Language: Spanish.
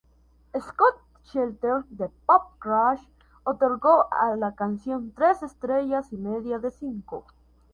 Scott Shelter de "PopCrush", otorgó a la canción tres estrellas y media de cinco.